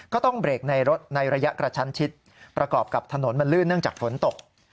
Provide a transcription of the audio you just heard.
ก็ต้องเบรกในรถในระยะกระชั้นชิดประกอบกับถนนมันลื่นเนื่องจากฝนตก